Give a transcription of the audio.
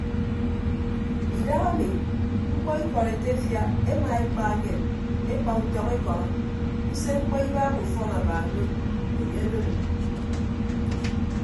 Idahami mkpọ ikọd etefia emaekpa enyen ekpa utọñ ekọrọ usemkpọ ibagha ufọn aba do enye ododo.